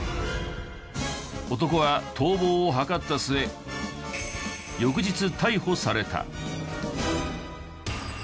男は逃亡を図った末翌日逮捕された。